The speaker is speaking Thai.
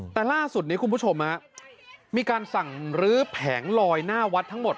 แต่ล่าสุดนี้คุณผู้ชมมีการสั่งลื้อแผงลอยหน้าวัดทั้งหมด